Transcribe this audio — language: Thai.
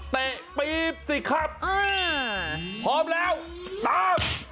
เตะปี๊บสิครับพร้อมแล้วตาม